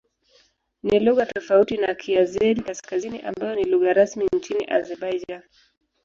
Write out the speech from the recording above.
Ni lugha tofauti na Kiazeri-Kaskazini ambayo ni lugha rasmi nchini Azerbaijan.